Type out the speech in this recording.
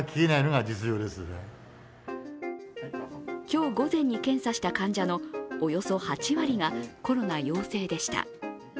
今日午前に検査した患者のおよそ８割がコロナ陽性でした。